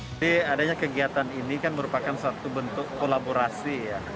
jadi adanya kegiatan ini kan merupakan satu bentuk kolaborasi ya